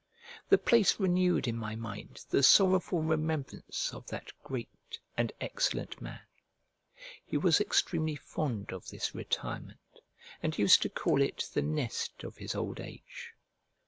The place renewed in my mind the sorrowful remembrance of that great and excellent man. He was extremely fond of this retirement, and used to call it the nest of his old age.